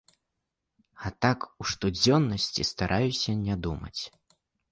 А так, у штодзённасці, стараюся не думаць.